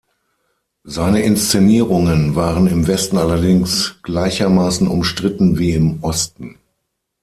Seine Inszenierungen waren im Westen allerdings gleichermaßen umstritten wie im Osten.